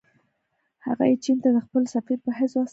هغه یې چین ته د خپل سفیر په حیث واستاوه.